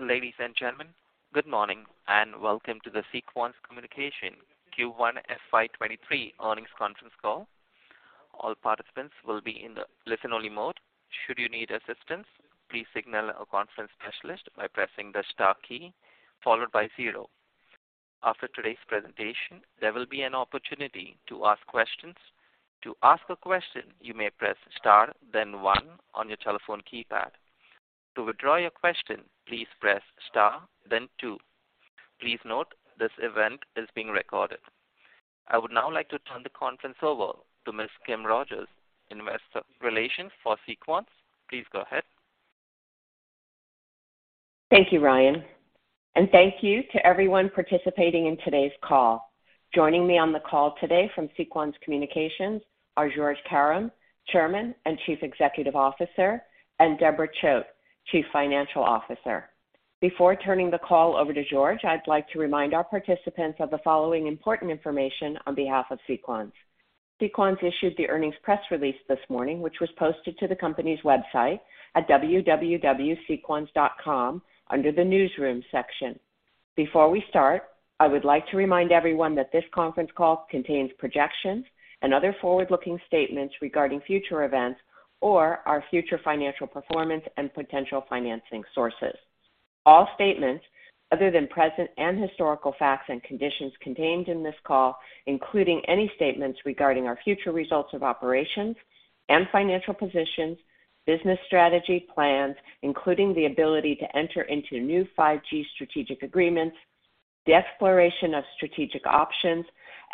Ladies and gentlemen, good morning, welcome to the Sequans Communications Q1 FY 23 earnings conference call. All participants will be in the listen-only mode. Should you need assistance, please signal a conference specialist by pressing the star key followed by 0. After today's presentation, there will be an opportunity to ask questions. To ask a question, you may press star then 1 on your telephone keypad. To withdraw your question, please press star then 2. Please note this event is being recorded. I would now like to turn the conference over to Ms. Kim Rogers, Investor Relations for Sequans. Please go ahead. Thank you, Ryan, and thank you to everyone participating in today's call. Joining me on the call today from Sequans Communications are Georges Karam, Chairman and Chief Executive Officer, and Deborah Choate, Chief Financial Officer. Before turning the call over to Georges, I'd like to remind our participants of the following important information on behalf of Sequans. Sequans issued the earnings press release this morning, which was posted to the company's website at www.sequans.com under the Newsroom section. Before we start, I would like to remind everyone that this conference call contains projections and other forward-looking statements regarding future events or our future financial performance and potential financing sources. All statements other than present and historical facts and conditions contained in this call, including any statements regarding our future results of operations and financial positions, business strategy, plans, including the ability to enter into new 5G strategic agreements, the exploration of strategic options,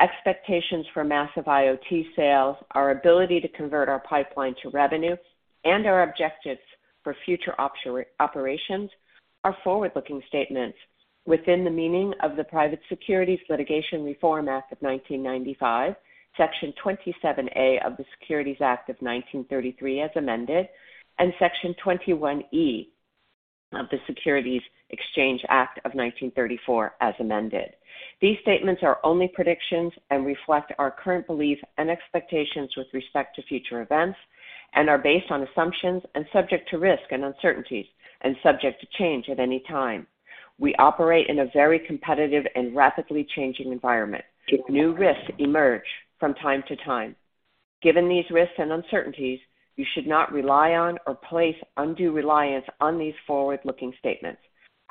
expectations for massive IoT sales, our ability to convert our pipeline to revenue, and our objectives for future operations are forward-looking statements within the meaning of the Private Securities Litigation Reform Act of 1995, Section 27A of the Securities Act of 1933 as amended, and Section 21E of the Securities Exchange Act of 1934 as amended. These statements are only predictions and reflect our current belief and expectations with respect to future events and are based on assumptions and subject to risk and uncertainties and subject to change at any time. We operate in a very competitive and rapidly changing environment. New risks emerge from time to time. Given these risks and uncertainties, you should not rely on or place undue reliance on these forward-looking statements.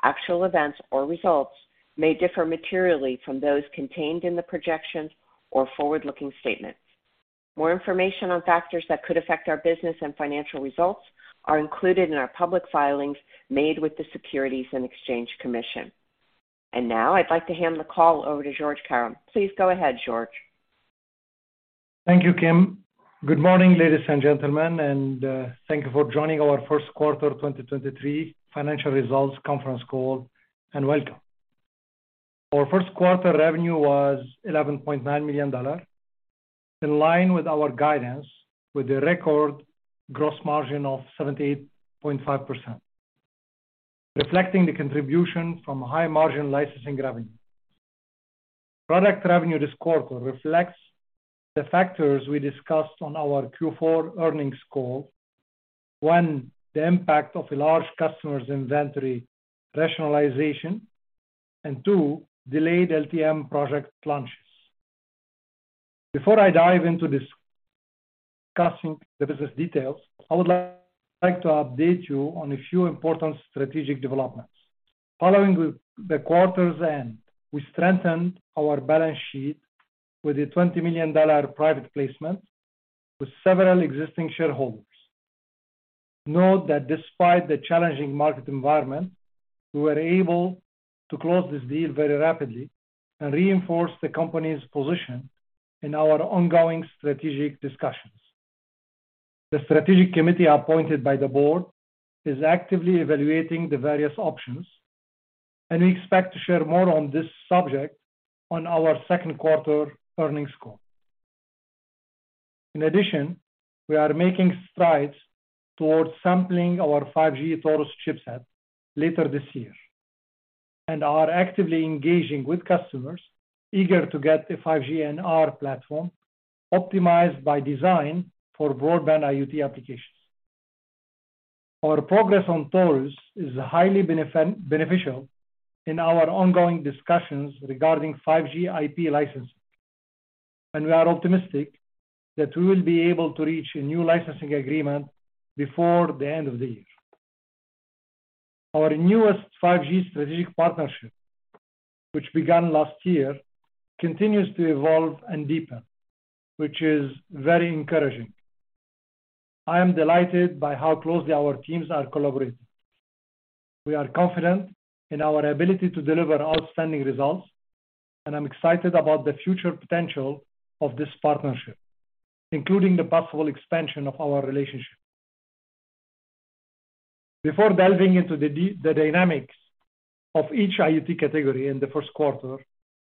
Actual events or results may differ materially from those contained in the projections or forward-looking statements. More information on factors that could affect our business and financial results are included in our public filings made with the Securities and Exchange Commission. Now I'd like to hand the call over to Georges Karam. Please go ahead, Georges. Thank you, Kim. Good morning, ladies and gentlemen, and thank you for joining our Q1 2023 financial results conference call, and welcome. Our Q1 revenue was $11.9 million, in line with our guidance with a record gross margin of 78.5%, reflecting the contribution from high-margin licensing revenue. Product revenue this quarter reflects the factors we discussed on our Q4 earnings call. One, the impact of a large customer's inventory rationalization. Two, delayed LTE-M project launches. Before I dive into discussing the business details, I would like to update you on a few important strategic developments. Following the quarter's end, we strengthened our balance sheet with a $20 million private placement with several existing shareholders. Note that despite the challenging market environment, we were able to close this deal very rapidly and reinforce the company's position in our ongoing strategic discussions. The strategic committee appointed by the board is actively evaluating the various options, and we expect to share more on this subject on our Q2 earnings call. We are making strides towards sampling our 5G Taurus chipset later this year and are actively engaging with customers eager to get a 5G NR platform optimized by design for broadband IoT applications. Our progress on Taurus is highly beneficial in our ongoing discussions regarding 5G IP licensing, and we are optimistic that we will be able to reach a new licensing agreement before the end of the year. Our newest 5G strategic partnership, which began last year, continues to evolve and deepen, which is very encouraging. I am delighted by how closely our teams are collaborating. We are confident in our ability to deliver outstanding results, and I'm excited about the future potential of this partnership, including the possible expansion of our relationship. Before delving into the dynamics of each IoT category in the Q1,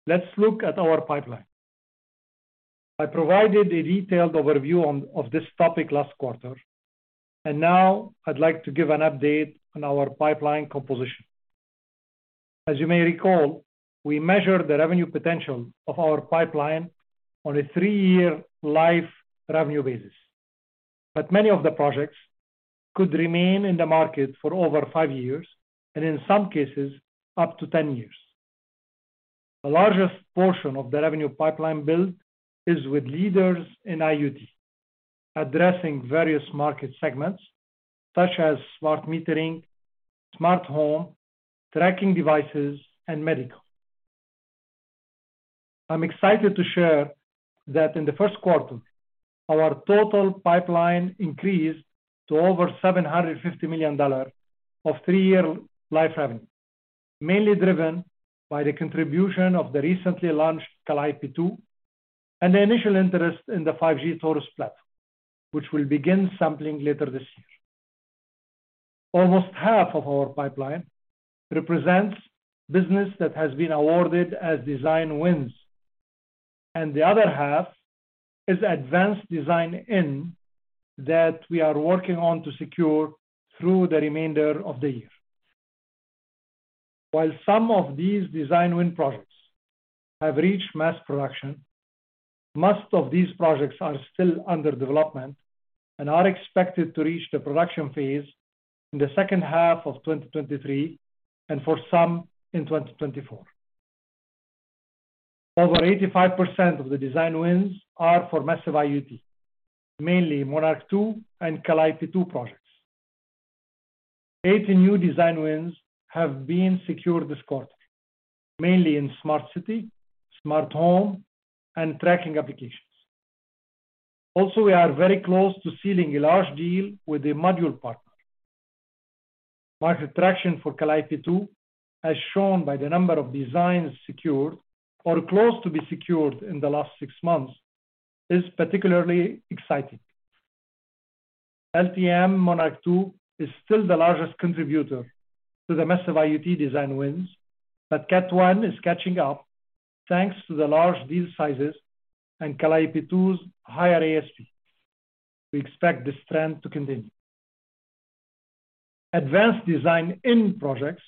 let's look at our pipeline. I provided a detailed overview of this topic last quarter, and now I'd like to give an update on our pipeline composition. As you may recall, we measure the revenue potential of our pipeline on a 3-year life revenue basis. But many of the projects could remain in the market for over 5 years, and in some cases, up to 10 years. The largest portion of the revenue pipeline build is with leaders in IoT, addressing various market segments such as smart metering, smart home, tracking devices, and medical. I'm excited to share that in the Q1, our total pipeline increased to over $750 million of three-year life revenue, mainly driven by the contribution of the recently launched Calliope 2 and the initial interest in the 5G Taurus platform, which will begin sampling later this year. Almost half of our pipeline represents business that has been awarded as design wins, and the other half is advanced design in that we are working on to secure through the remainder of the year. While some of these design win projects have reached mass production, most of these projects are still under development and are expected to reach the production phase in the second half of 2023, and for some in 2024. Over 85% of the design wins are for massive IoT, mainly Monarch 2 and Calliope 2 projects. 80 new design wins have been secured this quarter, mainly in smart city, smart home, and tracking applications. Also, we are very close to sealing a large deal with a module partner. Market traction for Calliope 2, as shown by the number of designs secured or close to be secured in the last six months, is particularly exciting. LTE-M Monarch 2 is still the largest contributor to the massive IoT design wins, but Cat 1 is catching up thanks to the large deal sizes and Calliope 2's higher ASP. We expect this trend to continue. Advanced design in projects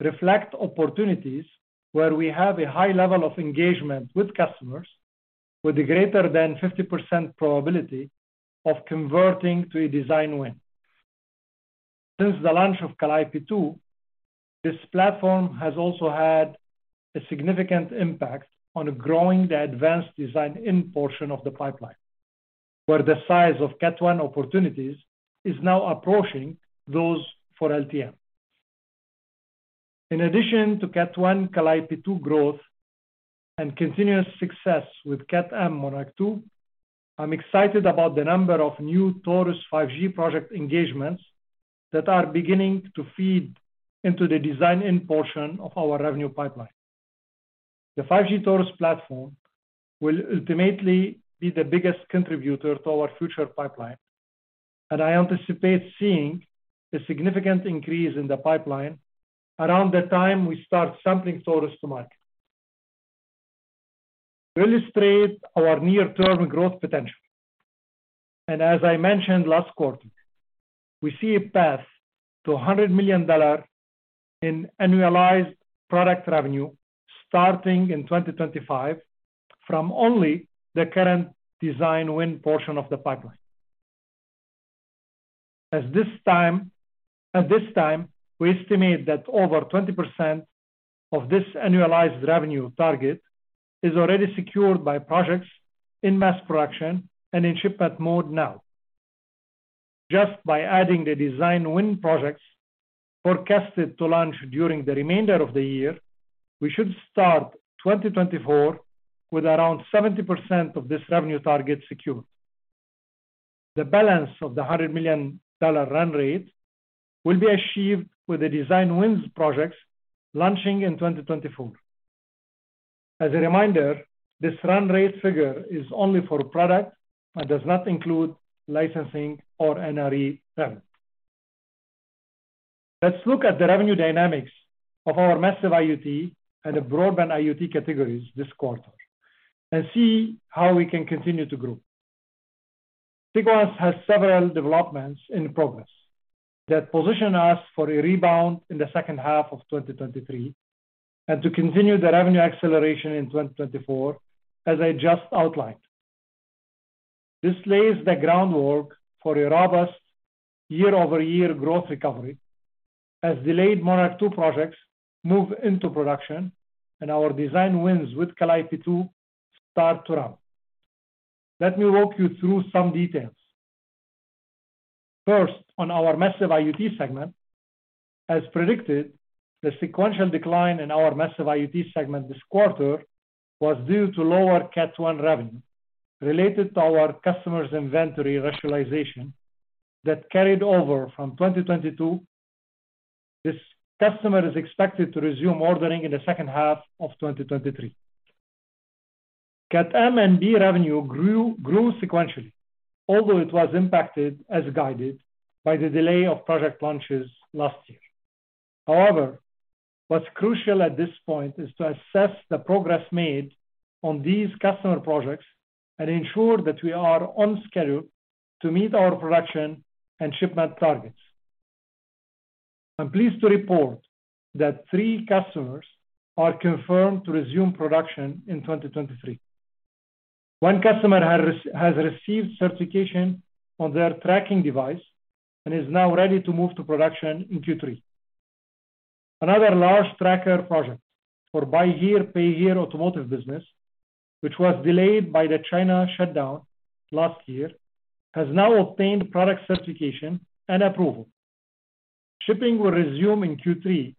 reflect opportunities where we have a high level of engagement with customers with a greater than 50% probability of converting to a design win. Since the launch of Calliope 2, this platform has also had a significant impact on growing the advanced design in portion of the pipeline, where the size of Cat 1 opportunities is now approaching those for LTE-M. In addition to Cat 1 Calliope 2 growth and continuous success with Cat-M Monarch 2, I'm excited about the number of new Taurus 5G project engagements that are beginning to feed into the design-in portion of our revenue pipeline. The 5G Taurus platform will ultimately be the biggest contributor to our future pipeline, and I anticipate seeing a significant increase in the pipeline around the time we start sampling Taurus to market. To illustrate our near-term growth potential, and as I mentioned last quarter, we see a path to $100 million in annualized product revenue starting in 2025 from only the current design win portion of the pipeline. At this time, we estimate that over 20% of this annualized revenue target is already secured by projects in mass production and in ship-at mode now. Just by adding the design win projects forecasted to launch during the remainder of the year, we should start 2024 with around 70% of this revenue target secured. The balance of the $100 million run rate will be achieved with the design wins projects launching in 2024. As a reminder, this run rate figure is only for product and does not include licensing or NRE services. Let's look at the revenue dynamics of our massive IoT and the broadband IoT categories this quarter and see how we can continue to grow. Sequans has several developments in progress that position us for a rebound in the second half of 2023 and to continue the revenue acceleration in 2024, as I just outlined. This lays the groundwork for a robust year-over-year growth recovery as delayed Monarch 2 projects move into production and our design wins with Calliope 2 start to ramp. Let me walk you through some details. First, on our massive IoT segment. As predicted, the sequential decline in our massive IoT segment this quarter was due to lower Cat 1 revenue related to our customer's inventory rationalization that carried over from 2022. This customer is expected to resume ordering in the second half of 2023. Cat M and NB revenue grew sequentially, although it was impacted as guided by the delay of project launches last year. What's crucial at this point is to assess the progress made on these customer projects and ensure that we are on schedule to meet our production and shipment targets. I'm pleased to report that 3 customers are confirmed to resume production in 2023. One customer has received certification on their tracking device and is now ready to move to production in Q3. Another large tracker project for Buy Here Pay Here automotive business, which was delayed by the China shutdown last year, has now obtained product certification and approval. Shipping will resume in Q3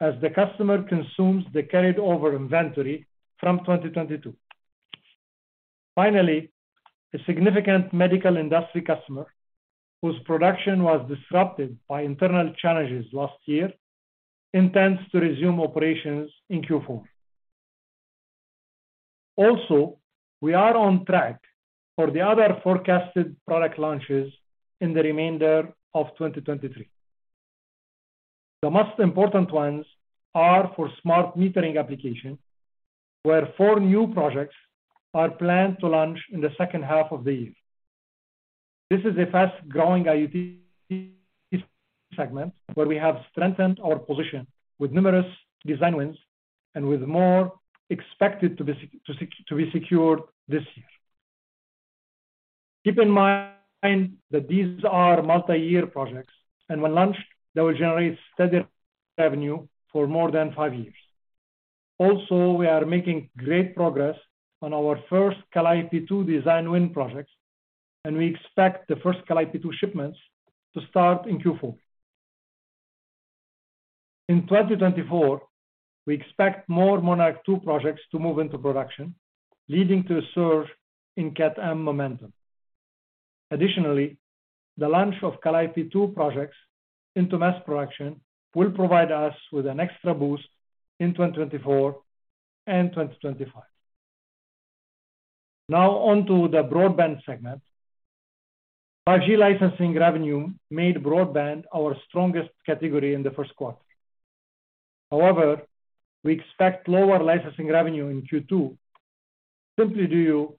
as the customer consumes the carried over inventory from 2022. Finally, a significant medical industry customer, whose production was disrupted by internal challenges last year, intends to resume operations in Q4. Also, we are on track for the other forecasted product launches in the remainder of 2023. The most important ones are for smart metering application, where 4 new projects are planned to launch in the second half of the year. This is a fast-growing IoT segment where we have strengthened our position with numerous design wins and with more expected to be secured this year. Keep in mind that these are multi-year projects, and when launched, they will generate steady revenue for more than 5 years. We are making great progress on our first Calliope 2 design win projects, and we expect the first Calliope 2 shipments to start in Q4. In 2024, we expect more Monarch 2 projects to move into production, leading to a surge in Cat M momentum. The launch of Calliope 2 projects into mass production will provide us with an extra boost in 2024 and 2025. On to the broadband segment. 5G licensing revenue made broadband our strongest category in the Q1. However, we expect lower licensing revenue in Q2 simply due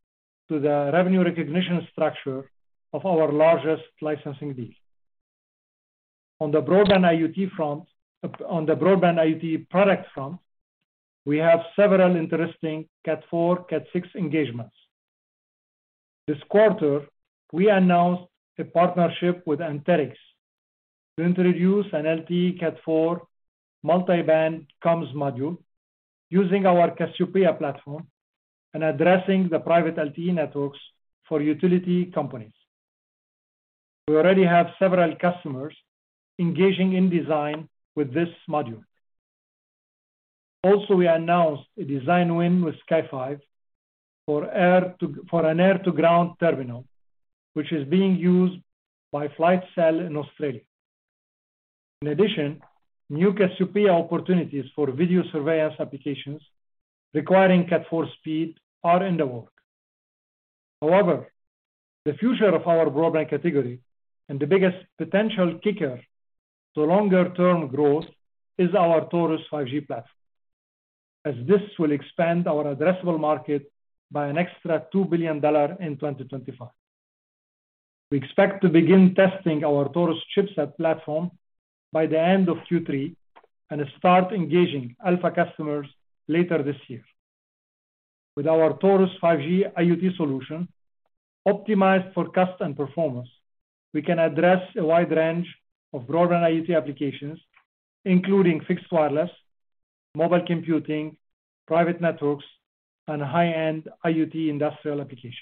to the revenue recognition structure of our largest licensing deals. On the broadband IoT product front, we have several interesting Cat 4, Cat 6 engagements. This quarter, we announced a partnership with Anterix to introduce an LTE Cat 4 multiband comms module using our Cassiopeia platform and addressing the private LTE networks for utility companies. We already have several customers engaging in design with this module. Also, we announced a design win with SkyFive for an air-to-ground terminal, which is being used by Flightcell in Australia. In addition, new Cassiopeia opportunities for video surveillance applications requiring Cat 4 speed are in the work. The future of our broadband category and the biggest potential kicker to longer term growth is our Taurus 5G platform, as this will expand our addressable market by an extra $2 billion in 2025. We expect to begin testing our Taurus chipset platform by the end of Q3 and start engaging alpha customers later this year. With our Taurus 5G IoT solution optimized for cost and performance, we can address a wide range of broadband IoT applications, including fixed wireless, mobile computing, private networks, and high-end IoT industrial applications.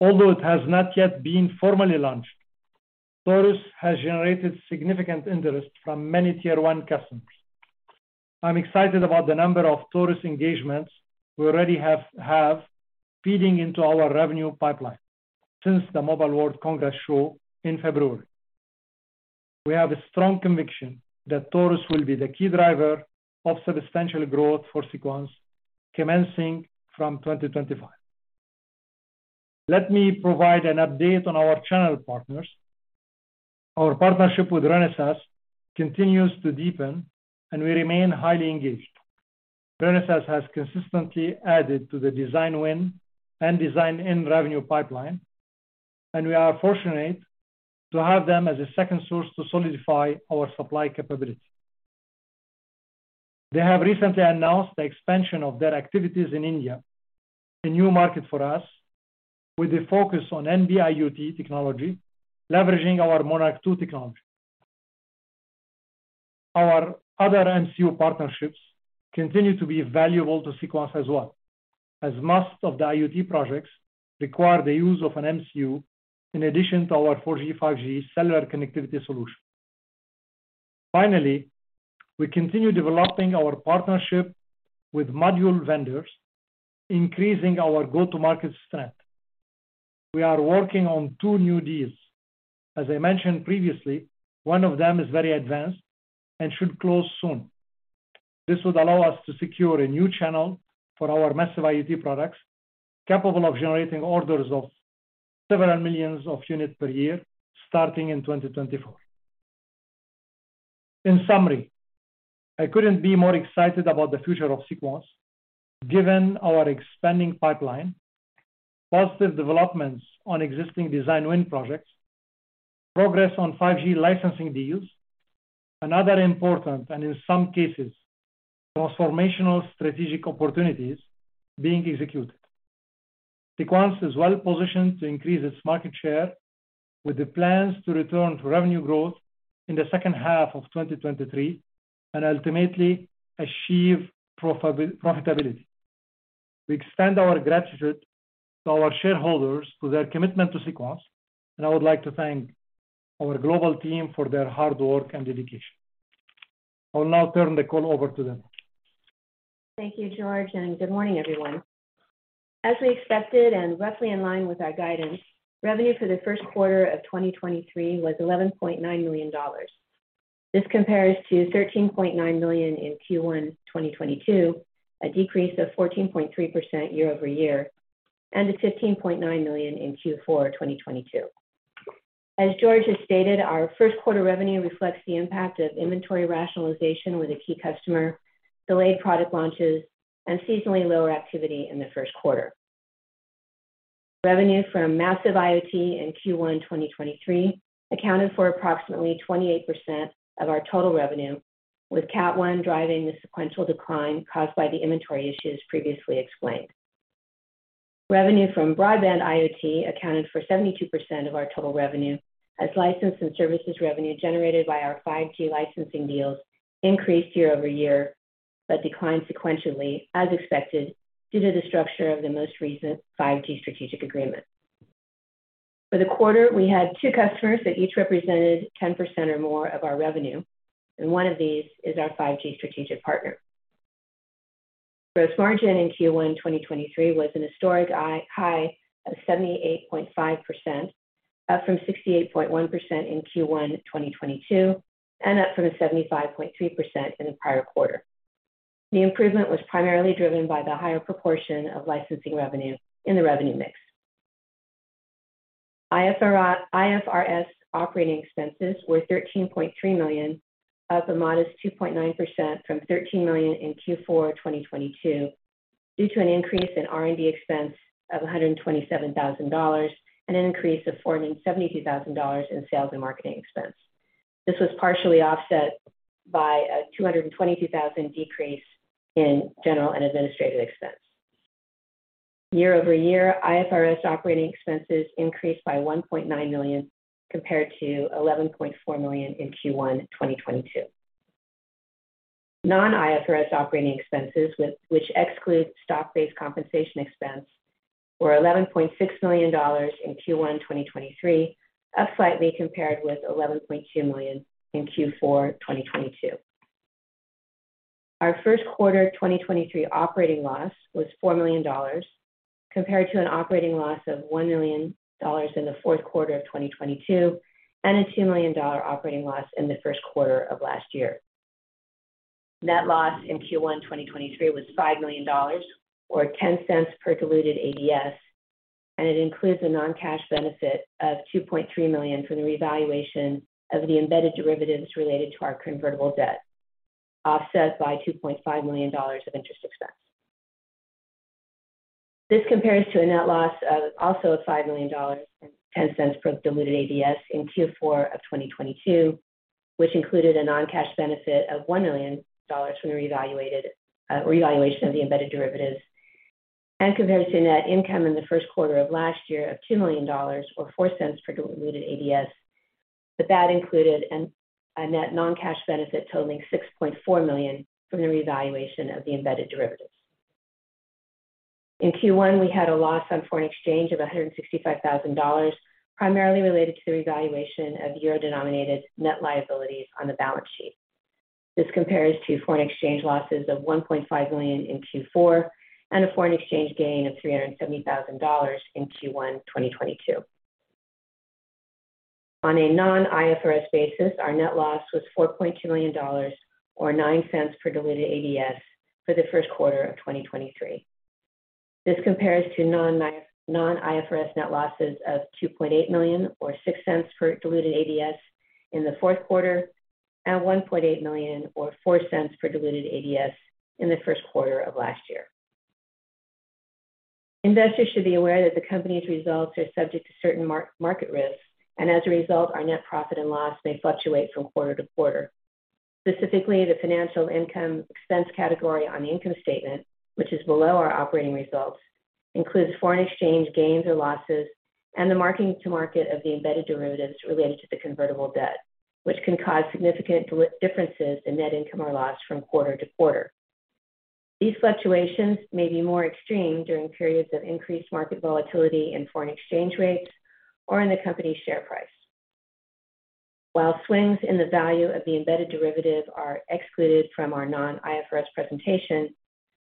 It has not yet been formally launched, Taurus has generated significant interest from many tier one customers. I'm excited about the number of Taurus engagements we already have feeding into our revenue pipeline since the Mobile World Congress show in February. We have a strong conviction that Taurus will be the key driver of substantial growth for Sequans commencing from 2025. Let me provide an update on our channel partners. Our partnership with Renesas continues to deepen, and we remain highly engaged. Renesas has consistently added to the design win and design-in revenue pipeline, and we are fortunate to have them as a second source to solidify our supply capability. They have recently announced the expansion of their activities in India, a new market for us, with a focus on NB-IoT technology, leveraging our Monarch 2 technology. Our other MCU partnerships continue to be valuable to Sequans as well, as most of the IoT projects require the use of an MCU in addition to our 4G, 5G cellular connectivity solution. Finally, we continue developing our partnership with module vendors, increasing our go-to-market strength. We are working on two new deals. As I mentioned previously, one of them is very advanced and should close soon. This would allow us to secure a new channel for our massive IoT products capable of generating orders of several millions of units per year starting in 2024. In summary, I couldn't be more excited about the future of Sequans given our expanding pipeline, positive developments on existing design win projects, progress on 5G licensing deals, and other important and in some cases transformational strategic opportunities being executed. Sequans is well positioned to increase its market share with the plans to return to revenue growth in the second half of 2023 and ultimately achieve profitability. We extend our gratitude to our shareholders for their commitment to Sequans, I would like to thank our global team for their hard work and dedication. I will now turn the call over to them. Thank you, George. Good morning, everyone. As we expected and roughly in line with our guidance, revenue for the Q1 of 2023 was $11.9 million. This compares to $13.9 million in Q1 2022, a decrease of 14.3% year-over-year, and to $15.9 million in Q4 2022. As George has stated, our Q1 revenue reflects the impact of inventory rationalization with a key customer, delayed product launches, and seasonally lower activity in the Q1. Revenue from massive IoT in Q1 2023 accounted for approximately 28% of our total revenue, with Cat 1 driving the sequential decline caused by the inventory issues previously explained. Revenue from broadband IoT accounted for 72% of our total revenue, as license and services revenue generated by our 5G licensing deals increased year-over-year but declined sequentially as expected due to the structure of the most recent 5G strategic agreement. For the quarter, we had two customers that each represented 10% or more of our revenue, and one of these is our 5G strategic partner. Gross margin in Q1 2023 was an historic high of 78.5%, up from 68.1% in Q1 2022 and up from 75.3% in the prior quarter. The improvement was primarily driven by the higher proportion of licensing revenue in the revenue mix. IFRS operating expenses were $13.3 million, up a modest 2.9% from $13 million in Q4 2022 due to an increase in R&D expense of $127,000 and an increase of $472,000 in sales and marketing expense. This was partially offset by a $222,000 decrease in general and administrative expense. Year-over-year IFRS operating expenses increased by $1.9 million compared to $11.4 million in Q1 2022. Non-IFRS operating expenses which excludes stock-based compensation expense were $11.6 million in Q1 2023, up slightly compared with $11.2 million in Q4 2022. Our Q1 2023 operating loss was $4 million compared to an operating loss of $1 million in the Q4 of 2022 and a $2 million operating loss in the Q1 of last year. Net loss in Q1 2023 was $5 million or $0.10 per diluted ADS, and it includes a non-cash benefit of $2.3 million from the revaluation of the embedded derivatives related to our convertible debt, offset by $2.5 million of interest expense. This compares to a net loss of also $5 million and $0.10 per diluted ADS in Q4 of 2022, which included a non-cash benefit of $1 million from the revaluation of the embedded derivatives. Compares to net income in the Q1 of last year of $2 million or $0.04 per diluted ADS, but that included a net non-cash benefit totaling $6.4 million from the revaluation of the embedded derivatives. In Q1, we had a loss on foreign exchange of $165,000, primarily related to the revaluation of euro-denominated net liabilities on the balance sheet. This compares to foreign exchange losses of $1.5 million in Q4 and a foreign exchange gain of $370,000 in Q1 2022. On a non-IFRS basis, our net loss was $4.2 million or $0.09 per diluted ADS for the Q1 of 2023. This compares to non-IFRS net losses of $2.8 million or $0.06 per diluted ADS in the Q4 and $1.8 million or $0.04 per diluted ADS in the Q1 of last year. Investors should be aware that the company's results are subject to certain market risks, as a result, our net profit and loss may fluctuate from quarter to quarter. Specifically, the financial income/expense category on the income statement, which is below our operating results, includes foreign exchange gains or losses and the marking to market of the embedded derivatives related to the convertible debt, which can cause significant differences in net income or loss from quarter to quarter. These fluctuations may be more extreme during periods of increased market volatility in foreign exchange rates or in the company's share price. While swings in the value of the embedded derivative are excluded from our non-IFRS presentation,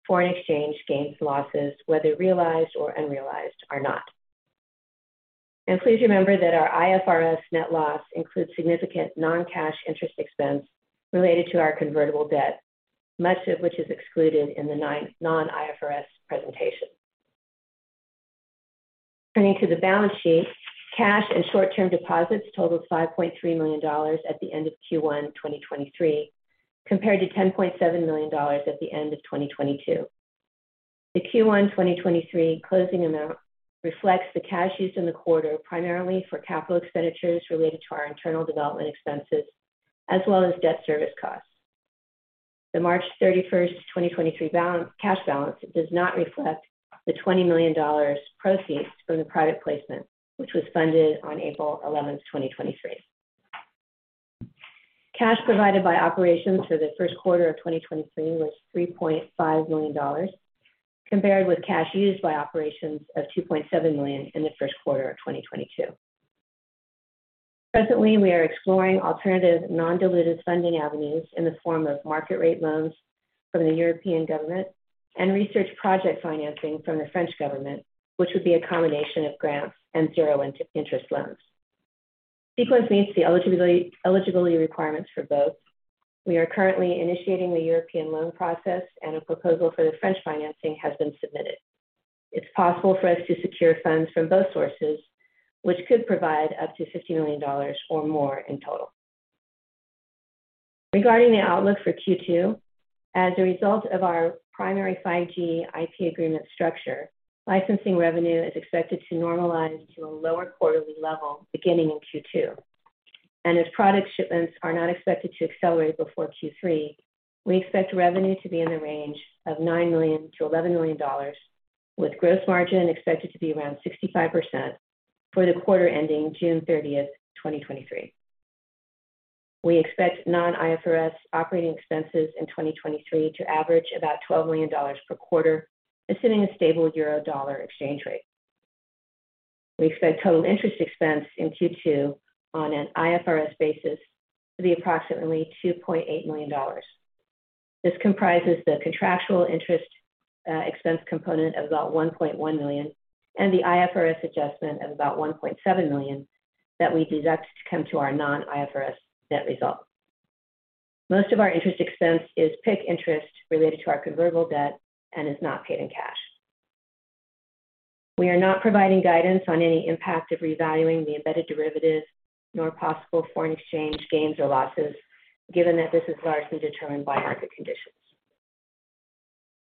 foreign exchange gains/losses, whether realized or unrealized, are not. Please remember that our IFRS net loss includes significant non-cash interest expense related to our convertible debt, much of which is excluded in the non-IFRS presentation. Turning to the balance sheet, cash and short-term deposits totaled $5.3 million at the end of Q1 2023, compared to $10.7 million at the end of 2022. The Q1 2023 closing amount reflects the cash used in the quarter, primarily for capital expenditures related to our internal development expenses, as well as debt service costs. The March 31st, 2023 cash balance does not reflect the $20 million proceeds from the private placement, which was funded on April 11th, 2023. Cash provided by operations for the Q1 of 2023 was $3.5 million, compared with cash used by operations of $2.7 million in the Q1 of 2022. Presently, we are exploring alternative non-dilutive funding avenues in the form of market rate loans from the European government and research project financing from the French government, which would be a combination of grants and zero interest loans. Sequans meets the eligibility requirements for both. We are currently initiating the European loan process, and a proposal for the French financing has been submitted. It's possible for us to secure funds from both sources, which could provide up to $50 million or more in total. Regarding the outlook for Q2, as a result of our primary 5G IP agreement structure, licensing revenue is expected to normalize to a lower quarterly level beginning in Q2. As product shipments are not expected to accelerate before Q3, we expect revenue to be in the range of $9 million-$11 million, with gross margin expected to be around 65% for the quarter ending June 30, 2023. We expect non-IFRS operating expenses in 2023 to average about $12 million per quarter, assuming a stable euro-dollar exchange rate. We expect total interest expense in Q2 on an IFRS basis to be approximately $2.8 million. This comprises the contractual interest expense component of about $1.1 million and the IFRS adjustment of about $1.7 million that we deduct to come to our non-IFRS net result. Most of our interest expense is PIK interest related to our convertible debt and is not paid in cash. We are not providing guidance on any impact of revaluing the embedded derivatives nor possible foreign exchange gains or losses, given that this is largely determined by market conditions.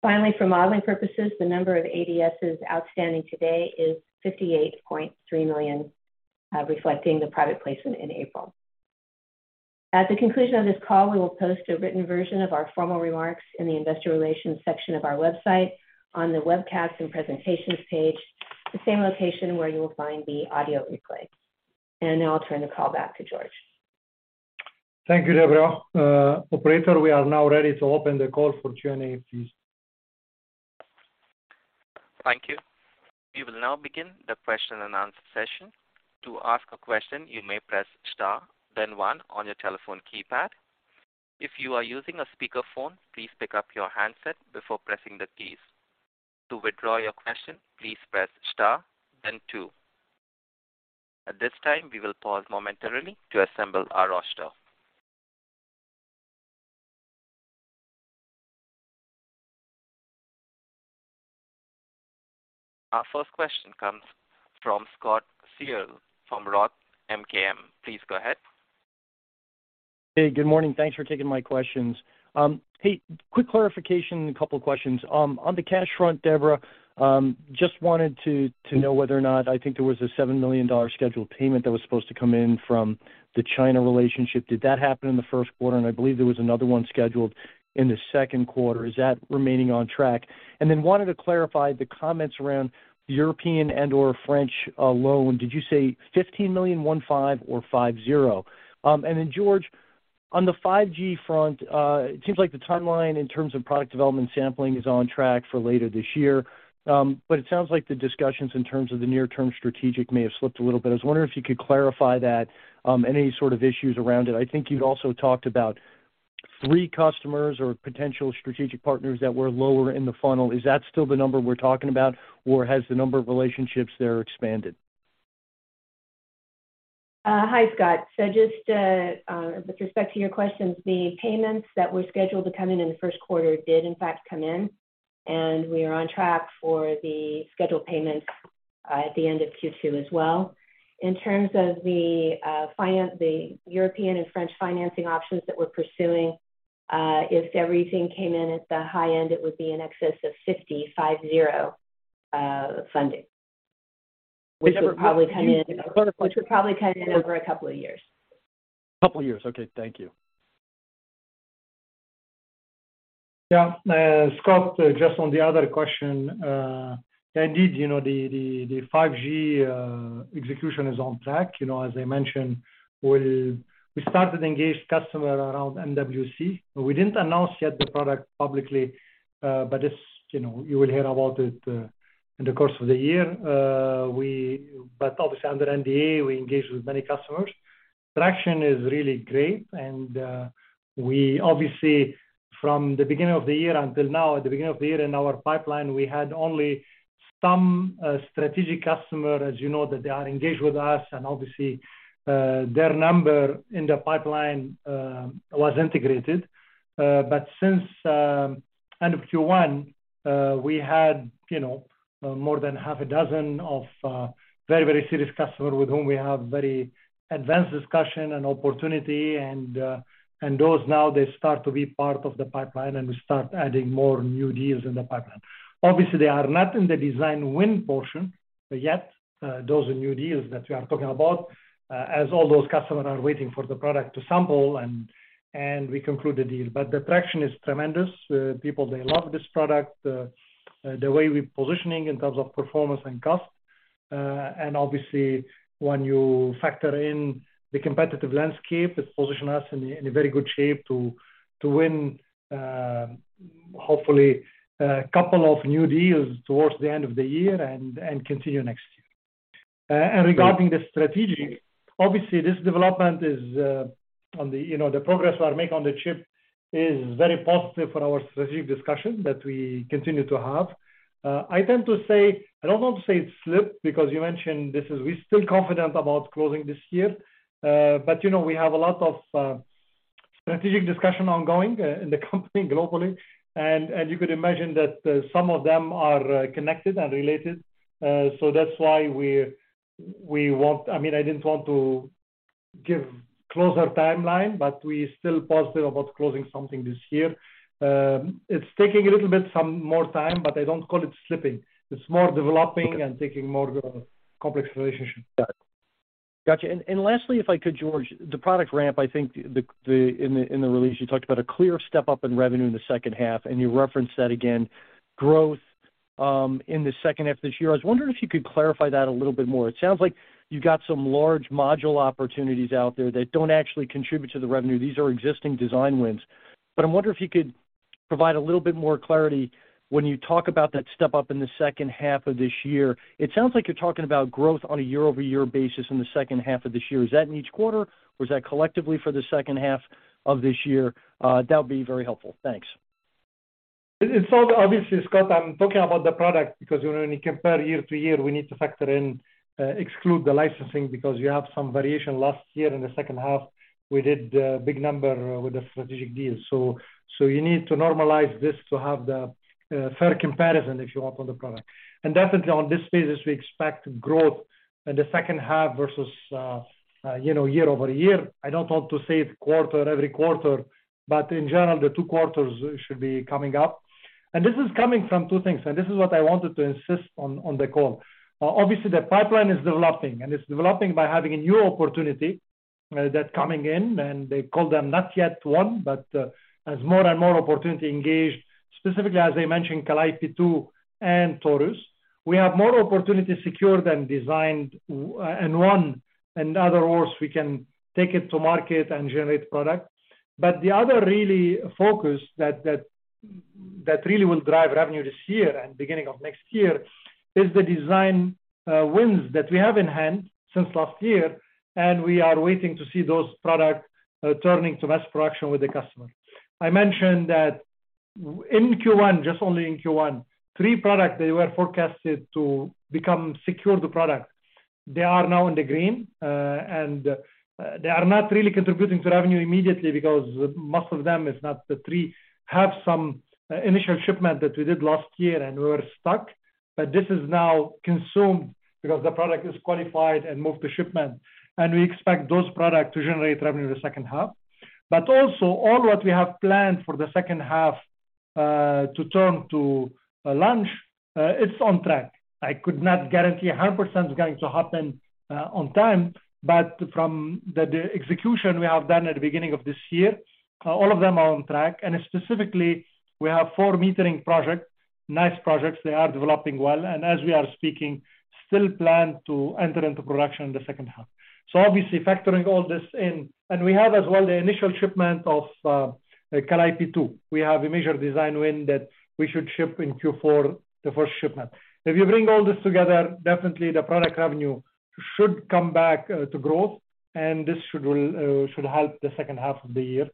Finally, for modeling purposes, the number of ADSs outstanding today is $58.3 million, reflecting the private placement in April. At the conclusion of this call, we will post a written version of our formal remarks in the investor relations section of our website on the Webcasts and Presentations page, the same location where you will find the audio replay. Now I'll turn the call back to George. Thank you, Debra. operator, we are now ready to open the call for Q&A, please. Thank you. We will now begin the question and answer session. To ask a question, you may press star then 1 on your telephone keypad. If you are using a speakerphone, please pick up your handset before pressing the keys. To withdraw your question, please press star then 2. At this time, we will pause momentarily to assemble our roster. Our first question comes from Scott Searle from Roth MKM. Please go ahead. Hey, good morning. Thanks for taking my questions. Hey, quick clarification and a couple of questions. On the cash front, Debra, just wanted to know whether or not I think there was a $7 million scheduled payment that was supposed to come in from the China relationship. Did that happen in the Q1? I believe there was another one scheduled in the Q2. Is that remaining on track? Wanted to clarify the comments around European and/or French loan. Did you say $15 million, 15, or 50? George, on the 5G front, it seems like the timeline in terms of product development sampling is on track for later this year. It sounds like the discussions in terms of the near-term strategic may have slipped a little bit. I was wondering if you could clarify that, any sort of issues around it. I think you'd also talked about 3 customers or potential strategic partners that were lower in the funnel. Is that still the number we're talking about, or has the number of relationships there expanded? Hi, Scott. Just with respect to your questions, the payments that were scheduled to come in in the Q1 did in fact come in, and we are on track for the scheduled payments at the end of Q2 as well. In terms of the finance, the European and French financing options that we're pursuing, if everything came in at the high end, it would be in excess of $50 funding, which would probably come in over a couple of years. Couple years. Okay. Thank you. Yeah. Scott, just on the other question, indeed, you know, the 5G execution is on track. You know, as I mentioned, we started engaged customer around MWC. We didn't announce yet the product publicly, but it's, you know, you will hear about it in the course of the year. Obviously under NDA, we engaged with many customers. Traction is really great, and we obviously from the beginning of the year until now, at the beginning of the year in our pipeline, we had only some strategic customer, as you know, that they are engaged with us and obviously, their number in the pipeline was integrated. Since end of Q1, we had, you know, more than half a dozen of very, very serious customer with whom we have very advanced discussion and opportunity, and those now they start to be part of the pipeline, and we start adding more new deals in the pipeline. Obviously, they are not in the design win portion, but yet, those are new deals that we are talking about, as all those customers are waiting for the product to sample and we conclude the deal. The traction is tremendous. People, they love this product. The way we're positioning in terms of performance and cost, and obviously when you factor in the competitive landscape, it position us in a very good shape to win, hopefully a couple of new deals towards the end of the year and continue next year. Regarding the strategy, obviously this development is on the, you know, the progress we are making on the chip is very positive for our strategic discussion that we continue to have. I tend to say I don't want to say it's slipped because you mentioned this is we're still confident about closing this year. You know, we have a lot of strategic discussion ongoing in the company globally. You could imagine that some of them are connected and related. That's why I didn't want to give closer timeline, but we still positive about closing something this year. It's taking a little bit, some more time, but I don't call it slipping. It's more developing and taking more of a complex relationship. Got it. Gotcha. Lastly, if I could, George, the product ramp, I think in the release, you talked about a clear step-up in revenue in the second half, and you referenced that again, growth in the second half of this year. I was wondering if you could clarify that a little bit more. It sounds like you've got some large module opportunities out there that don't actually contribute to the revenue. These are existing design wins. I wonder if you could provide a little bit more clarity when you talk about that step up in the second half of this year. It sounds like you're talking about growth on a year-over-year basis in the second half of this year. Is that in each quarter, or is that collectively for the second half of this year? That would be very helpful. Thanks. It's all obviously, Scott Searle, I'm talking about the product because when we compare year-to-year, we need to factor in, exclude the licensing because you have some variation. Last year in the second half, we did a big number with the strategic deals. You need to normalize this to have the fair comparison if you want on the product. Definitely on this phase, we expect growth in the second half versus, you know, year-over-year. I don't want to say it's quarter every quarter, but in general, the two quarters should be coming up. This is coming from two things, this is what I wanted to insist on the call. Obviously the pipeline is developing, it's developing by having a new opportunity that's coming in, they call them not yet won. As more and more opportunity engaged, specifically as I mentioned, Calliope 2 and Taurus, we have more opportunities secured than designed and won. In other words, we can take it to market and generate product. The other really focus that really will drive revenue this year and beginning of next year is the design wins that we have in hand since last year, and we are waiting to see those product turning to mass production with the customer. I mentioned that in Q1, just only in Q1, 3 product, they were forecasted to become secured the product. They are now in the green, and they are not really contributing to revenue immediately because most of them is not the 3, have some initial shipment that we did last year and we were stuck. This is now consumed because the product is qualified and moved to shipment, and we expect those product to generate revenue in the second half. All what we have planned for the second half, to turn to launch, it's on track. I could not guarantee 100% is going to happen on time, but from the execution we have done at the beginning of this year, all of them are on track. Specifically, we have 4 metering project, nice projects. They are developing well, and as we are speaking, still planned to enter into production in the second half. Obviously factoring all this in. We have as well the initial shipment of Calliope 2. We have a major design win that we should ship in Q4, the first shipment. If you bring all this together, definitely the product revenue should come back, to growth, and this should help the second half of the year.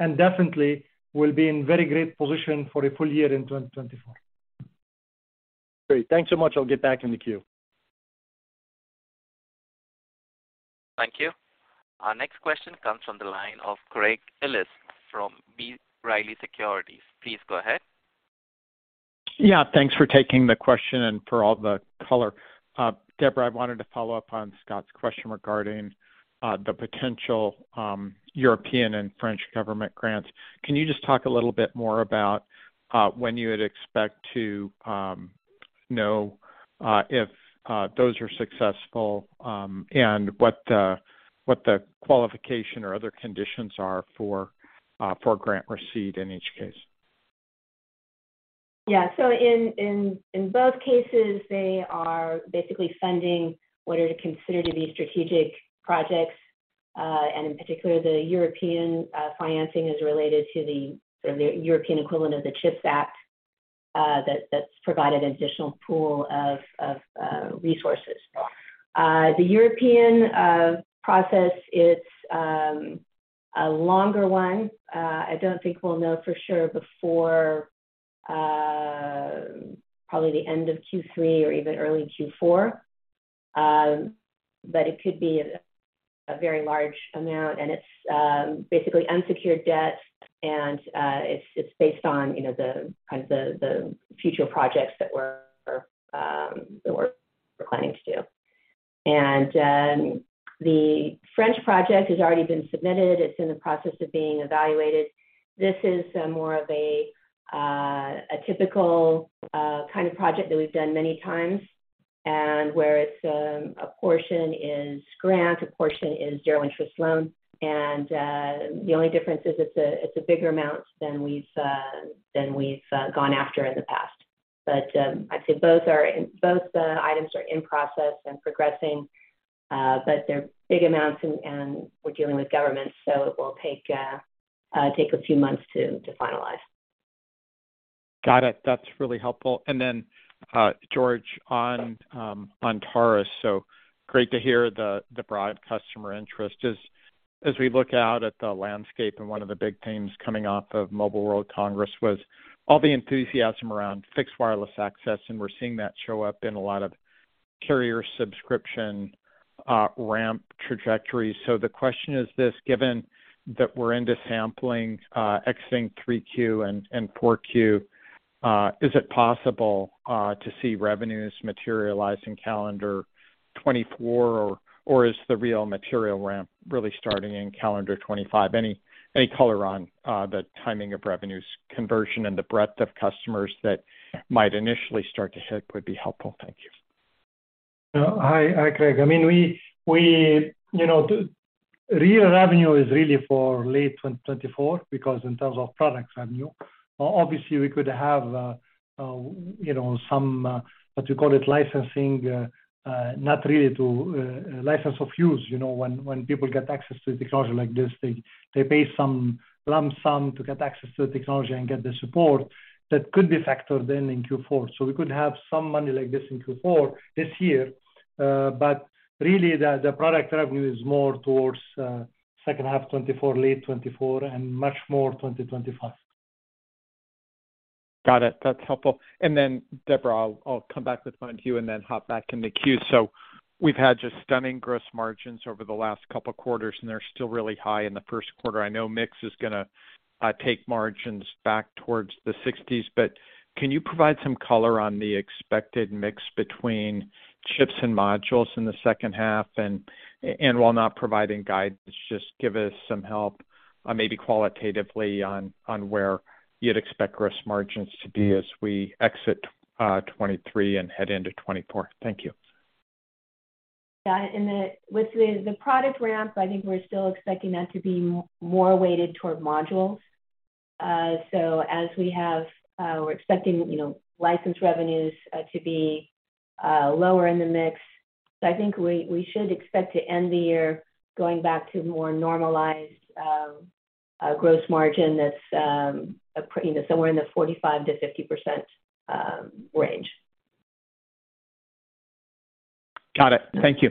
Definitely we'll be in very great position for a full year in 2024. Great. Thanks so much. I'll get back in the queue. Thank you. Our next question comes from the line of Craig Ellis from B. Riley Securities. Please go ahead. Yeah, thanks for taking the question and for all the color. Deborah, I wanted to follow up on Scott's question regarding the potential European and French government grants. Can you just talk a little bit more about when you would expect to know if those are successful, and what the qualification or other conditions are for grant receipt in each case? So in both cases, they are basically funding what are considered to be strategic projects. And in particular, the European financing is related to the European equivalent of the CHIPS Act that's provided additional pool of resources. The European process, it's a longer one. I don't think we'll know for sure before Probably the end of Q3 or even early Q4. But it could be a very large amount and it's based on, you know, kind of the future projects that we're planning to do. The French project has already been submitted. It's in the process of being evaluated. This is more of a typical kind of project that we've done many times, where it's a portion is grant, a portion is 0 interest loan. The only difference is it's a bigger amount than we've gone after in the past. I'd say both the items are in process and progressing, they're big amounts, we're dealing with government, it will take a few months to finalize. Got it. That's really helpful. Then, Georges, on Taurus. Great to hear the broad customer interest. As we look out at the landscape and one of the big themes coming off of Mobile World Congress was all the enthusiasm around fixed wireless access, and we're seeing that show up in a lot of carrier subscription ramp trajectories. The question is this, given that we're into sampling, exiting 3Q and 4Q, is it possible to see revenues materialize in calendar 2024, or is the real material ramp really starting in calendar 2025? Any color on the timing of revenues conversion and the breadth of customers that might initially start to hit would be helpful. Thank you. Hi, Craig. I mean, you know, the real revenue is really for late 2024 because in terms of product revenue. Obviously, we could have, you know, some, what you call it, licensing, not really to license of use. You know, when people get access to technology like this, they pay some lump sum to get access to the technology and get the support that could be factored in in Q4. We could have some money like this in Q4 this year. Really the product revenue is more towards second half 2024, late 2024 and much more 2025. Got it. That's helpful. Then Debra, I'll come back with one to you and then hop back in the queue. We've had just stunning gross margins over the last couple quarters, and they're still really high in the Q1. I know mix is gonna take margins back towards the sixties, but can you provide some color on the expected mix between chips and modules in the second half? While not providing guidance, just give us some help, maybe qualitatively on where you'd expect gross margins to be as we exit 2023 and head into 2024. Thank you. Yeah. With the product ramp, I think we're still expecting that to be more weighted toward modules. As we have, we're expecting, you know, license revenues to be lower in the mix. I think we should expect to end the year going back to more normalized gross margin that's, you know, somewhere in the 45%-50% range. Got it. Thank you.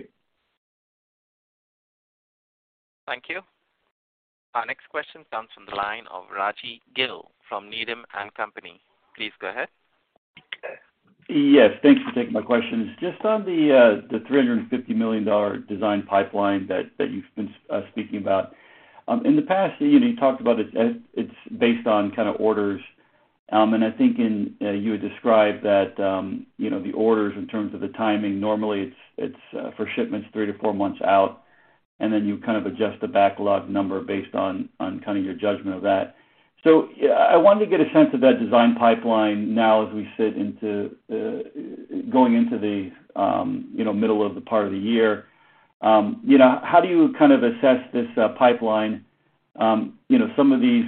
Thank you. Our next question comes from the line of Rajvindra Gill from Needham and Company. Please go ahead. Yes, thanks for taking my questions. Just on the $350 million design pipeline that you've been speaking about. In the past, you know, you talked about it as it's based on kind of orders. I think you had described that, you know, the orders in terms of the timing, normally it's for shipments three to four months out, and then you kind of adjust the backlog number based on kind of your judgment of that. I wanted to get a sense of that design pipeline now as we sit into going into the, you know, middle of the part of the year. You know, how do you kind of assess this pipeline? you know, some of these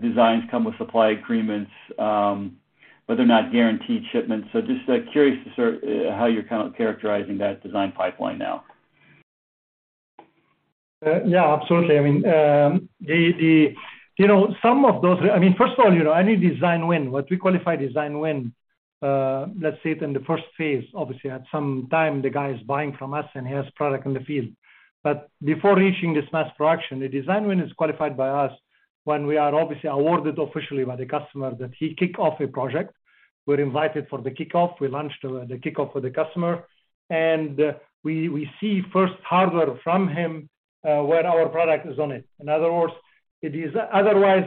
designs come with supply agreements, but they're not guaranteed shipments. Just curious to sort how you're kind of characterizing that design pipeline now? Yeah, absolutely. I mean, you know, some of those... I mean, first of all, you know, any design win, what we qualify design win, let's say it in the first phase. Obviously, at some time the guy is buying from us and he has product in the field. Before reaching this mass production, the design win is qualified by us when we are obviously awarded officially by the customer that he kick off a project. We're invited for the kickoff. We launched the kickoff with the customer, and we see first hardware from him, where our product is on it. In other words, it is... Otherwise,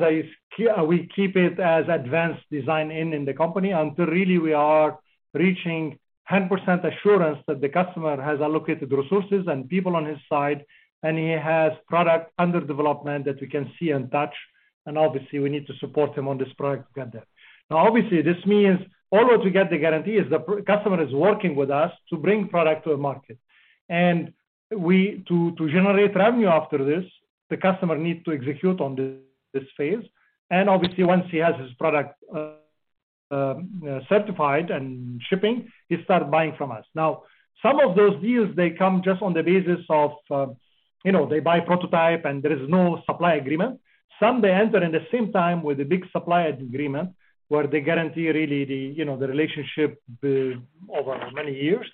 we keep it as advanced design in the company until really we are reaching 100% assurance that the customer has allocated resources and people on his side, and he has product under development that we can see and touch, and obviously we need to support him on this product to get there. Now, obviously, this means all what we get the guarantee is the customer is working with us to bring product to the market. We to generate revenue after this, the customer needs to execute on this phase. Obviously once he has his product certified and shipping, he start buying from us. Now, some of those deals, they come just on the basis of, you know, they buy prototype and there is no supply agreement. Some they enter in the same time with a big supplier agreement where they guarantee really the, you know, the relationship, over many years.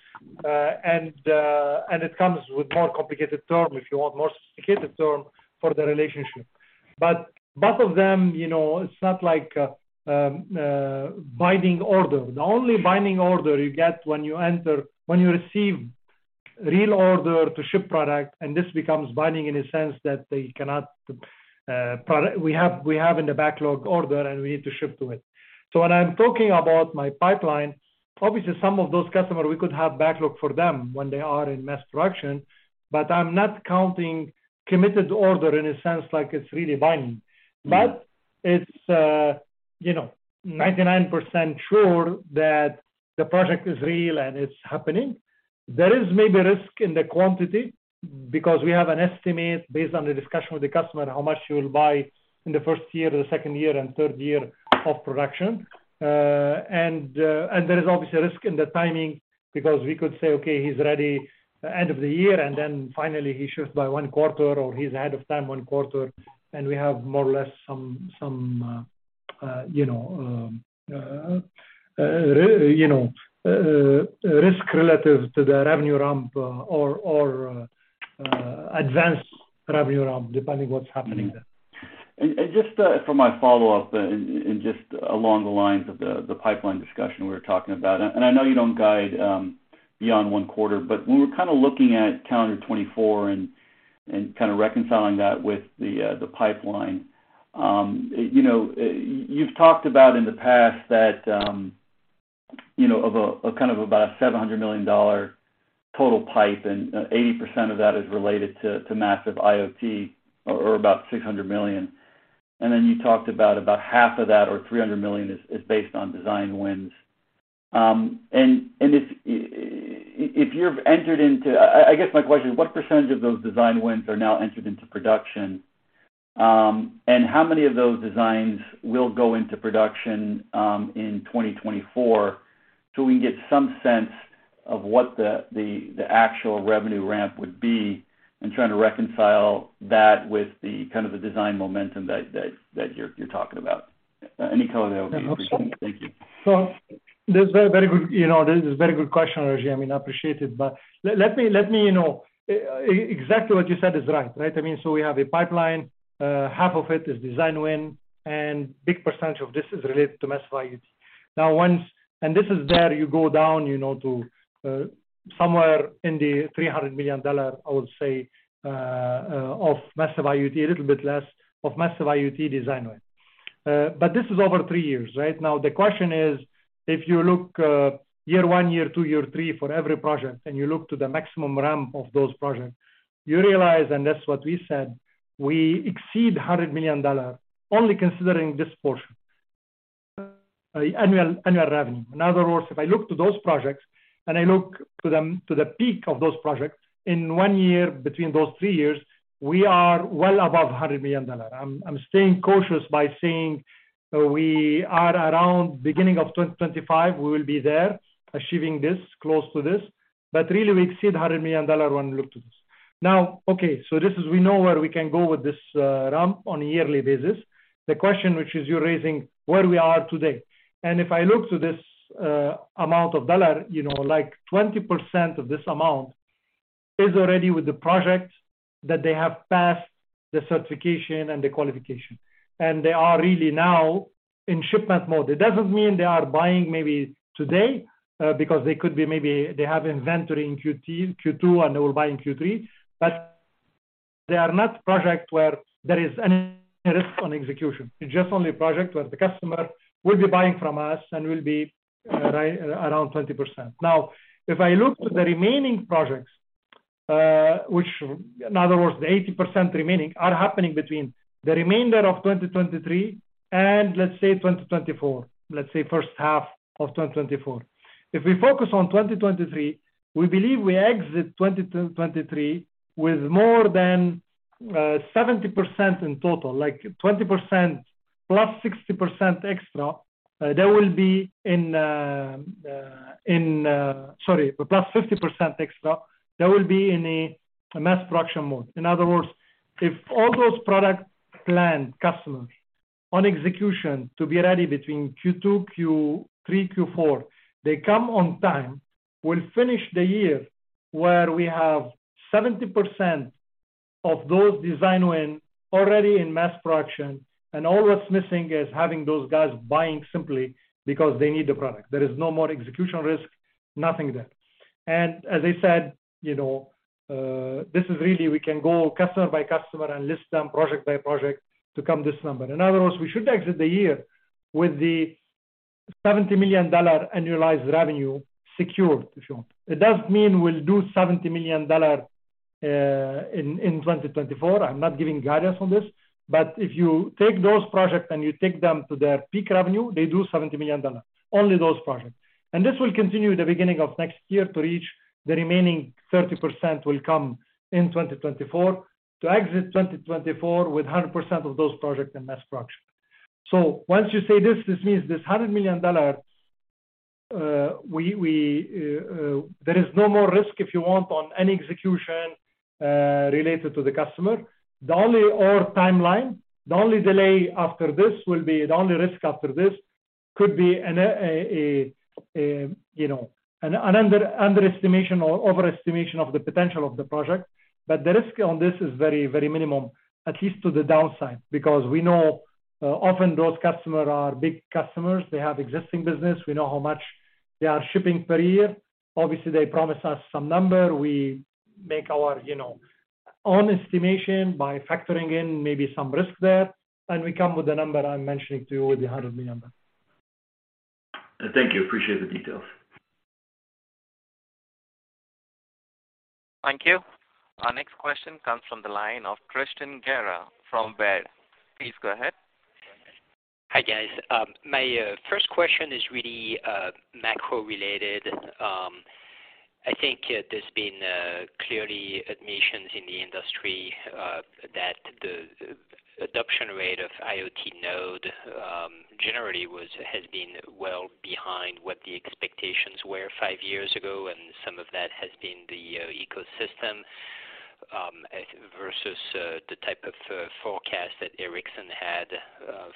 It comes with more complicated term, if you want more sophisticated term for the relationship. Both of them, you know, it's not like binding order. The only binding order you get when you receive real order to ship product, and this becomes binding in a sense that they cannot. We have in the backlog order and we need to ship to it. When I'm talking about my pipeline, obviously some of those customer we could have backlog for them when they are in mass production, but I'm not counting committed order in a sense like it's really binding. It's, you know, 99% sure that the project is real and it's happening. There is maybe risk in the quantity because we have an estimate based on the discussion with the customer, how much you will buy in the first year, the second year and third year of production. There is obviously a risk in the timing because we could say, "Okay, he's ready end of the year," and then finally he shifts by one quarter or he's ahead of time one quarter, and we have more or less some, you know, risk relative to the revenue ramp, or advance revenue ramp, depending what's happening there. Just for my follow-up and just along the lines of the pipeline discussion we were talking about, I know you don't guide beyond one quarter, but when we're kinda looking at calendar 2024 and kinda reconciling that with the pipeline, you know, you've talked about in the past that, you know, of a kind of about a $700 million total pipe and 80% of that is related to massive IoT or about $600 million. Then you talked about half of that or $300 million is based on design wins. I guess my question, what percentage of those design wins are now entered into production? How many of those designs will go into production in 2024 so we can get some sense of what the actual revenue ramp would be in trying to reconcile that with the kind of the design momentum that you're talking about? Any color there would be appreciated. Thank you. That's a very, very good, you know, this is a very good question, Reggie. I mean, I appreciate it. Let me, let me, you know. Exactly what you said is right? I mean, so we have a pipeline, half of it is design win and big percentage of this is related to massive IoT. Now once. This is where you go down, you know, to somewhere in the $300 million, I would say, of massive IoT, a little bit less of massive IoT design win. This is over three years, right? The question is, if you look, year one, year two, year three for every project and you look to the maximum ramp of those projects, you realize, and that's what we said, we exceed $100 million only considering this portion, annual revenue. In other words, if I look to those projects and I look to the peak of those projects, in one year between those three years, we are well above $100 million. I'm staying cautious by saying, we are around beginning of 2025, we will be there achieving this, close to this. Really we exceed $100 million when we look to this. Okay, this is we know where we can go with this ramp on a yearly basis. The question which is you're raising, where we are today? If I look to this amount of dollar, you know, like 20% of this amount is already with the project that they have passed the certification and the qualification. They are really now in shipment mode. It doesn't mean they are buying maybe today, because they could be maybe they have inventory in Q2 and they will buy in Q3, but they are not project where there is any risk on execution. It's just only project where the customer will be buying from us and will be around 20%. If I look to the remaining projects, which in other words, the 80% remaining are happening between the remainder of 2023 and let's say 2024, let's say first half of 2024. If we focus on 2023, we believe we exit 2023 with more than 70% in total, like 20% plus 60% extra. Sorry, plus 50% extra that will be in a mass production mode. In other words, if all those products planned customers on execution to be ready between Q2, Q3, Q4, they come on time, we'll finish the year where we have 70% of those design win already in mass production and all that's missing is having those guys buying simply because they need the product. There is no more execution risk, nothing there. As I said, you know, this is really we can go customer by customer and list them project by project to come this number. In other words, we should exit the year with the $70 million annualized revenue secured, if you want. It does mean we'll do $70 million in 2024. I'm not giving guidance on this. If you take those projects and you take them to their peak revenue, they do $70 million, only those projects. This will continue the beginning of next year to reach the remaining 30% will come in 2024, to exit 2024 with 100% of those projects in mass production. Once you say this means this $100 million, we there is no more risk if you want on any execution related to the customer. The only or timeline, the only risk after this could be a, you know, an underestimation or overestimation of the potential of the project. The risk on this is very minimum, at least to the downside. We know, often those customer are big customers. They have existing business. We know how much they are shipping per year. Obviously, they promise us some number. We make our, you know, own estimation by factoring in maybe some risk there, and we come with the number I'm mentioning to you with the $100 million number. Thank you. Appreciate the details. Thank you. Our next question comes from the line of Tristan Gerra from Baird. Please go ahead. Hi, guys. My first question is really macro-related. I think there's been clearly admissions in the industry that the adoption rate of IoT node generally has been well behind what the expectations were 5 years ago, and some of that has been the ecosystem versus the type of forecast that Ericsson had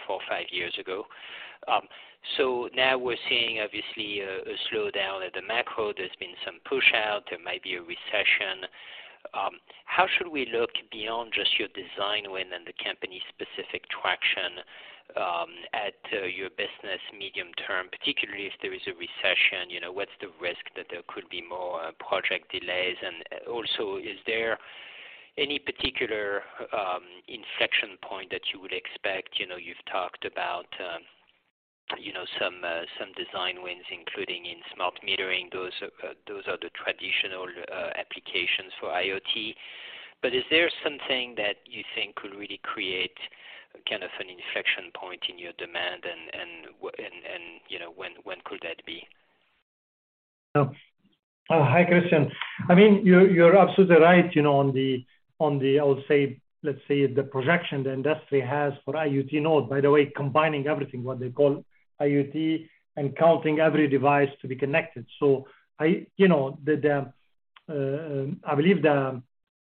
4 or 5 years ago. Now we're seeing obviously a slowdown at the macro. There's been some pushout. There might be a recession. How should we look beyond just your design win and the company-specific traction at your business medium term, particularly if there is a recession? You know, what's the risk that there could be more project delays? Also, is there any particular inflection point that you would expect? You know, you've talked about, you know, some design wins, including in smart metering. Those, those are the traditional applications for IoT. Is there something that you think could really create kind of an inflection point in your demand and, you know, when could that be? Oh. Hi, Tristan. I mean, you're absolutely right, you know, on the, I would say, let's say, the projection the industry has for IoT node. By the way, combining everything, what they call IoT and counting every device to be connected. I, you know, the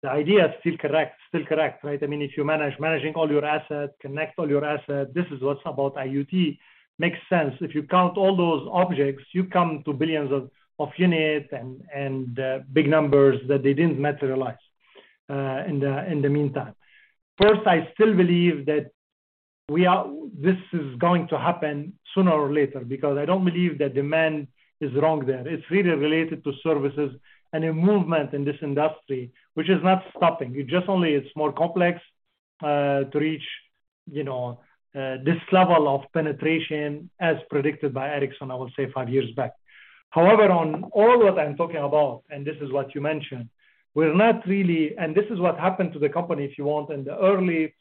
idea is still correct, right? I mean, if you managing all your assets, connect all your assets, this is what's about IoT. Makes sense. If you count all those objects, you come to billions of units and big numbers that they didn't materialize in the meantime. First, I still believe that this is going to happen sooner or later because I don't believe the demand is wrong there. It's really related to services and a movement in this industry which is not stopping. It just only it's more complex to reach, you know, this level of penetration as predicted by Ericsson, I would say five years back. However, on all what I'm talking about, and this is what you mentioned, we're not really. This is what happened to the company, if you want. In the early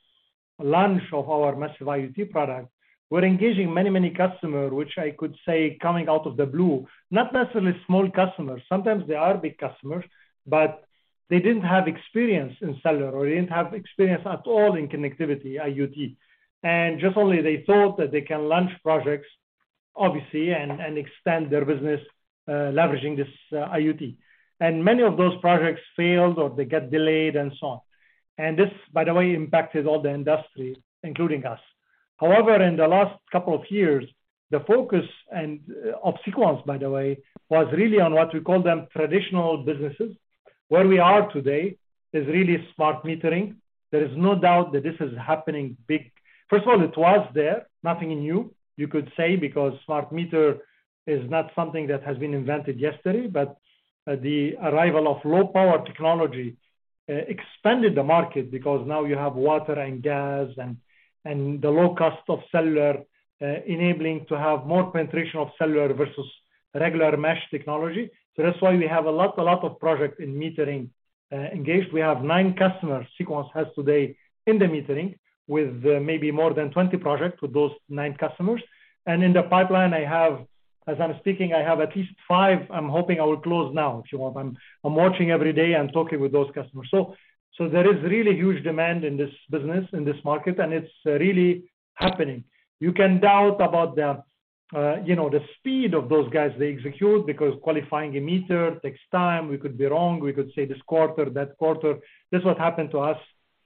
launch of our massive IoT product, we're engaging many, many customers, which I could say coming out of the blue. Not necessarily small customers. Sometimes they are big customers, but they didn't have experience in cellular or they didn't have experience at all in connectivity IoT. Just only they thought that they can launch projects, obviously, and extend their business, leveraging this IoT. Many of those projects failed or they get delayed and so on. This, by the way, impacted all the industry, including us. In the last couple of years, the focus and of Sequans, by the way, was really on what we call them traditional businesses. Where we are today is really smart metering. There is no doubt that this is happening big. First of all, it was there, nothing new you could say because smart meter is not something that has been invented yesterday. The arrival of low-power technology expanded the market because now you have water and gas and the low cost of cellular enabling to have more penetration of cellular versus regular mesh technology. That's why we have a lot of projects in metering engaged. We have nine customers Sequans has today in the metering with maybe more than 20 projects with those nine customers. In the pipeline I have, as I'm speaking, I have at least five I'm hoping I will close now, if you want. I'm watching every day. I'm talking with those customers. So there is really huge demand in this business, in this market, and it's really happening. You can doubt about the, you know, the speed of those guys they execute because qualifying a meter takes time. We could be wrong. We could say this quarter, that quarter. This is what happened to us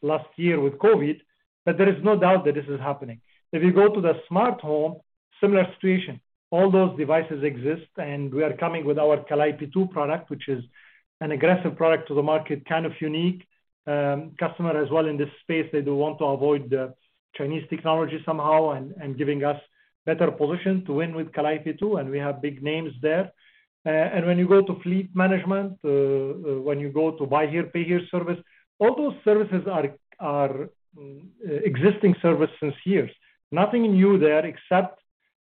last year with COVID. There is no doubt that this is happening. If you go to the smart home, similar situation. All those devices exist, and we are coming with our Calliope 2 product, which is an aggressive product to the market, kind of unique. Customer as well in this space, they do want to avoid the Chinese technology somehow and giving us better position to win with Calliope 2, and we have big names there. When you go to fleet management, when you go to Buy Here Pay Here service, all those services are existing services years. Nothing new there except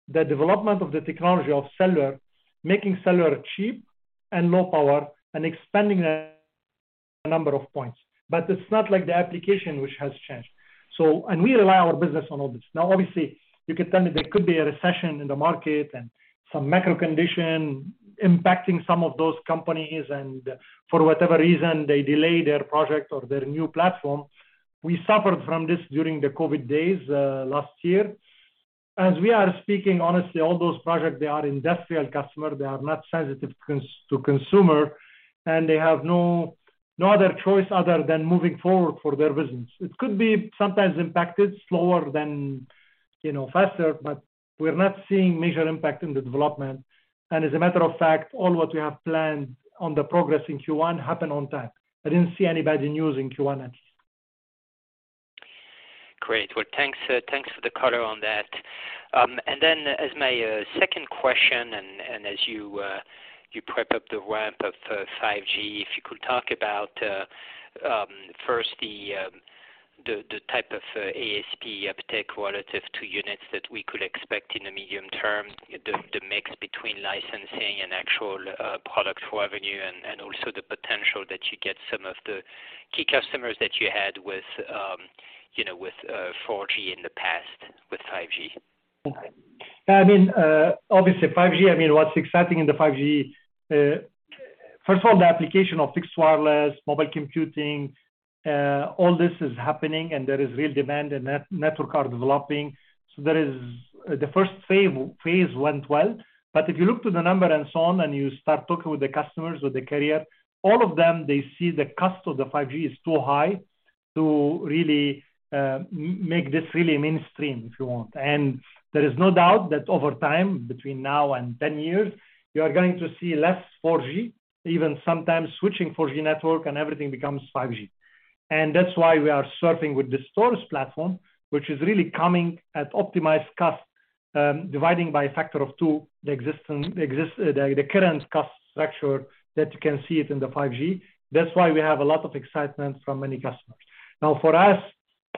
the development of the technology of cellular, making cellular cheap and low power and expanding a number of points. It's not like the application which has changed. We rely our business on all this. Now, obviously, you can tell me there could be a recession in the market and some macro condition impacting some of those companies, and for whatever reason, they delay their project or their new platform. We suffered from this during the COVID days, last year. As we are speaking, honestly, all those projects, they are industrial customer. They are not sensitive to consumer, and they have no other choice other than moving forward for their business. It could be sometimes impacted slower than, you know, faster. We're not seeing major impact in the development. As a matter of fact, all what we have planned on the progress in Q1 happened on time. I didn't see any bad news in Q1 at least. Great. Well, thanks for the color on that. As my second question, and as you prep up the ramp of 5G, if you could talk about first the type of ASP uptake relative to units that we could expect in the medium term. The mix between licensing and actual product revenue and also the potential that you get some of the key customers that you had with, you know, with 4G in the past with 5G. Yeah. I mean, obviously 5G, I mean, what's exciting in the 5G, first of all, the application of fixed wireless, mobile computing, all this is happening and there is real demand and networks are developing. The first phase went well. If you look to the number and so on, and you start talking with the customers, with the carrier, all of them, they see the cost of the 5G is too high to really make this really mainstream if you want. There is no doubt that over time, between now and 10 years, you are going to see less 4G, even sometimes switching 4G network and everything becomes 5G. That's why we are serving with this Taurus platform, which is really coming at optimized cost, dividing by a factor of 2 the current cost structure that you can see it in the 5G. That's why we have a lot of excitement from many customers. For us,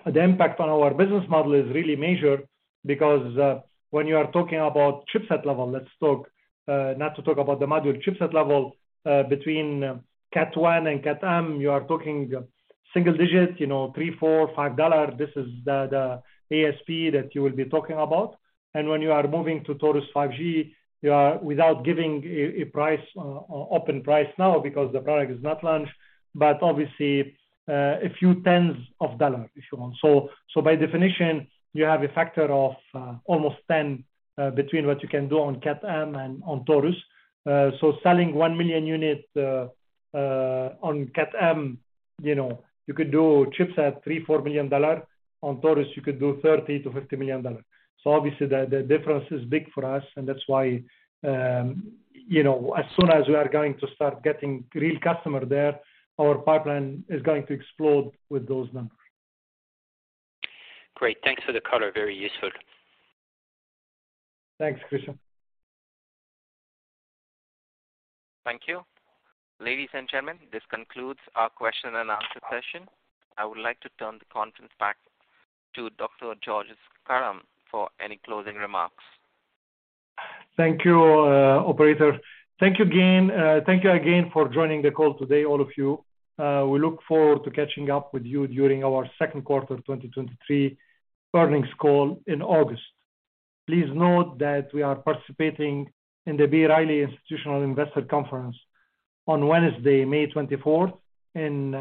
the impact on our business model is really major because when you are talking about chipset level, let's not talk about the module. Chipset level, between Cat 1 and Cat-M, you are talking single digit, you know, $3, $4, $5. This is the ASP that you will be talking about. When you are moving to Taurus 5G, you are without giving a price, open price now because the product is not launched, but obviously, a few tens of dollars if you want. By definition you have a factor of 10 between what you can do on Cat M and on Taurus. Selling 1 million unit on Cat M, you know, you could do chips at $3 million-$4 million. On Taurus, you could do $30 million-$50 million. Obviously the difference is big for us and that's why, you know, as soon as we are going to start getting real customer there, our pipeline is going to explode with those numbers. Great. Thanks for the color. Very useful. Thanks, Tristan. Thank you. Ladies and gentlemen, this concludes our question and answer session. I would like to turn the conference back to Dr. Georges Karam for any closing remarks. Thank you, operator. Thank you again. Thank you again for joining the call today all of you. We look forward to catching up with you during our Q2 2023 earnings call in August. Please note that we are participating in the B. Riley Institutional Investor Conference on Wednesday, May 24th in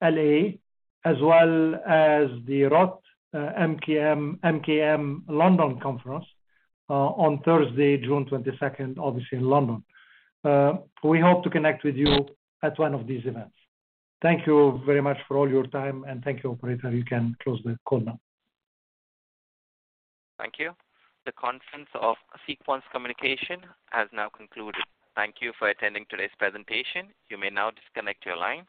L.A. As well as the ROTH MKM London conference on Thursday, June 22nd, obviously in London. We hope to connect with you at one of these events. Thank you very much for all your time, and thank you operator, you can close the call now. Thank you. The conference of Sequans Communications has now concluded. Thank you for attending today's presentation. You may now disconnect your lines.